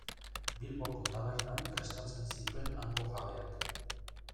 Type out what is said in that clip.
Bilboko tabernan prestatzen zituen hango jabeak.